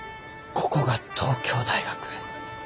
ここが東京大学。